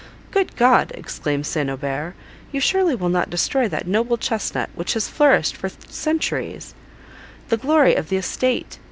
"Good God!" exclaimed St. Aubert, "you surely will not destroy that noble chesnut, which has flourished for centuries, the glory of the estate!